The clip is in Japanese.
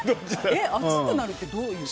暑くなるってどういうこと？